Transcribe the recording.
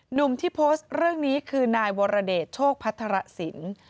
หนุ่มที่โพสต์เรื่องนี้คือนายวรเดชโชคพัทรสิน